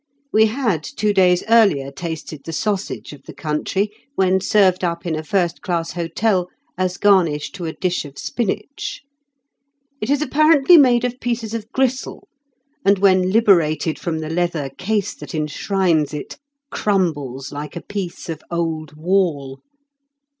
We had two days earlier tasted the sausage of the country when served up in a first class hotel as garnish to a dish of spinach. It is apparently made of pieces of gristle, and when liberated from the leather case that enshrines it, crumbles like a piece of old wall.